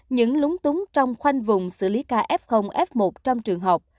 những lúng túng trong khoanh vùng xử lý ca f f một trong trường học